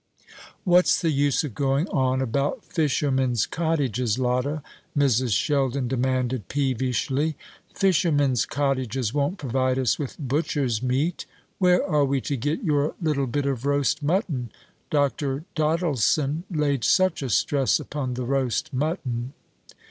"What's the use of going on about fishermen's cottages, Lotta?" Mrs. Sheldon demanded, peevishly. "Fishermen's cottages won't provide us with butcher's meat. Where are we to get your little bit of roast mutton? Dr. Doddleson laid such a stress upon the roast mutton."